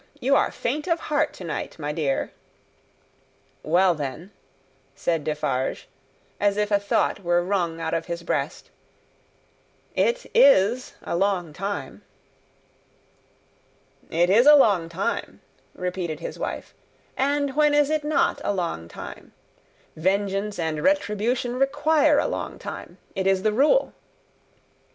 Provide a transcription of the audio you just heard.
You are faint of heart to night, my dear!" "Well, then," said Defarge, as if a thought were wrung out of his breast, "it is a long time." "It is a long time," repeated his wife; "and when is it not a long time? Vengeance and retribution require a long time; it is the rule."